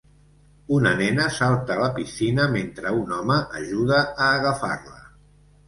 Una nena salta a la piscina mentre un home ajuda a agafar-la.